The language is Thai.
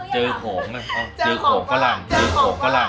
เจอของกะระหลั่ง